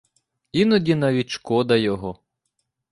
Іноді навіть шкода його.